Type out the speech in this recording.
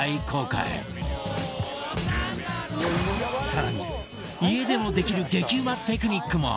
更に家でもできる激うまテクニックも